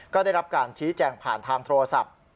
ก็ได้รับการชี้แจงผ่านทางโทรศัพท์